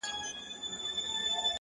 د حوصلې ځواک اوږدې لارې زغمي،